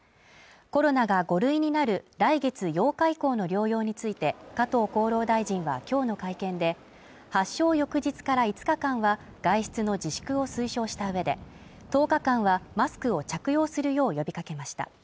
コロナが５類になる来月８日以降の療養について加藤厚労大臣は今日の会見で発症翌日から５日間は外出の自粛を推奨した上で、１０日間はマスクを着用するよう呼びかけました